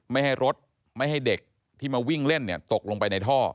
ไม่ให้รถไม่ให้เด็กที่มาวิ่งเล่นตกลงไปในท่อ